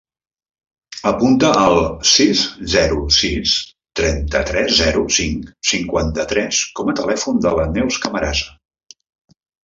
Apunta el sis, zero, sis, trenta-tres, zero, cinc, cinquanta-tres com a telèfon de la Neus Camarasa.